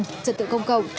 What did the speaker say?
trật tự công cộng